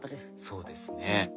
そうですね。